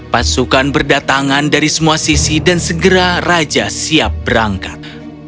pasukan berdatangan dari semua sisi dan segera raja siap berangkat